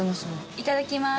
いただきます。